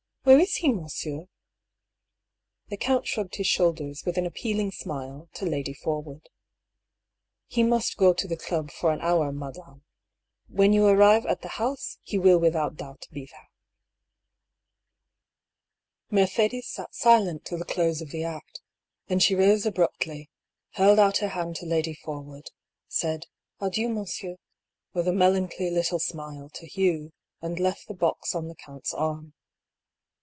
Where is he, monsieur ?" The count shrugged his shoulders, with an appealing smile, to Lady Forwood. "He must go to the club for an hour, madame. When you arrive at the house, he will without doubt be there." Mercedes sat silent till the close of the act, then she rose abruptly, held out her hand to Lady Forwood, said " Adieu, monsieur," with a melancholy little smile, to Hugh, and left the box on the count's arm.